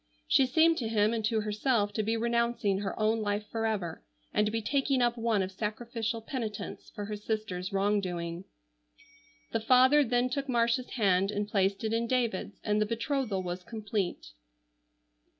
She seemed to him and to herself to be renouncing her own life forever, and to be taking up one of sacrificial penitence for her sister's wrong doing. The father then took Marcia's hand and placed it in David's, and the betrothal was complete.